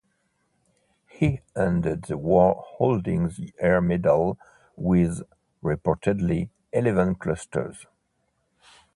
He ended the war holding the Air Medal with reportedly eleven clusters.